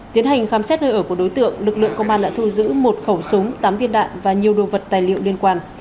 tiến hành khám xét nơi ở của đối tượng lực lượng công an đã thu giữ một khẩu súng tám viên đạn và nhiều đồ vật tài liệu liên quan